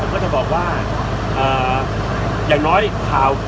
แล้วผมก็จะบอกว่าอย่างน้อยข่าว